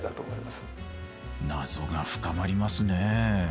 ナゾが深まりますね。